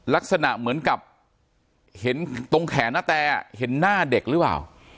ลักษณะเหมือนกับเห็นตรงแขนนาแตเห็นหน้าเด็กหรือเปล่า